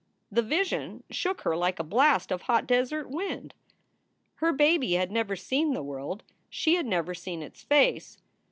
The vision shook her like a blast of hot desert wind. Her baby had never seen the world. She had never seen its face.